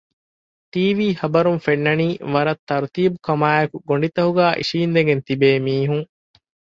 ޓީވީ ޚަބަރުން ފެންނަނީ ވަރަށް ތަރުތީބުކަމާއެކު ގޮޑިތަކުގައި އިށީނދެގެން ތިބޭ މީހުން